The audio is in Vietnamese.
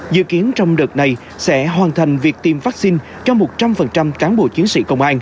dự kiến trong đợt này sẽ hoàn thành việc tiêm vaccine cho một trăm linh cán bộ chiến sĩ